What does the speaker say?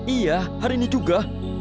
ya hari ini juga